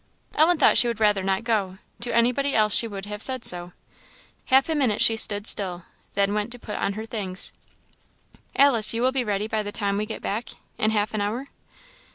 Ellen thought she would rather not go; to anybody else she would have said so. Half a minute she stood still then went to put on her things. "Alice, you will be ready by the time we get back? in half an hour."